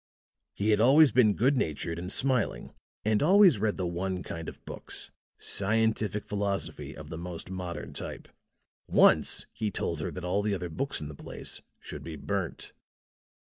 He had always been good natured and smiling and always read the one kind of books scientific philosophy of the most modern type. Once he told her that all the other books in the place should be burnt."